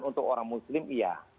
untuk orang muslim iya